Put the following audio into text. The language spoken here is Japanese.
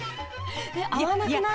え合わなくない？